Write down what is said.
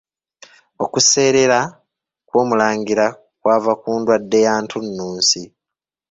Okuseerera kw'Omulangira kwava ku ndwadde ya ntunnunsi.